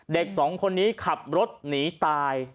เด็กสองคนนี้ขับรถหนีตาย